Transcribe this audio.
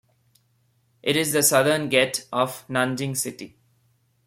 It is the southern gate of Nanjing city.